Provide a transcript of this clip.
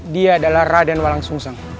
dia adalah raden walang sungseng